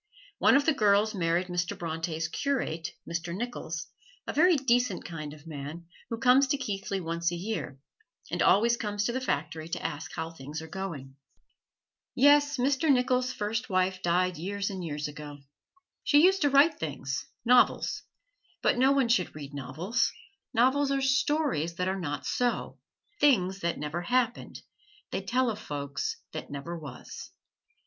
One of the girls married Mr. Bronte's curate, Mr. Nicholls, a very decent kind of man who comes to Keighley once a year, and always comes to the factory to ask how things are going. Yes, Mr. Nicholls' first wife died years and years ago. She used to write things novels; but no one should read novels; novels are stories that are not so things that never happened; they tell of folks that never was.